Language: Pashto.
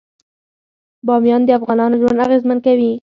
بامیان د افغانانو ژوند اغېزمن کوي.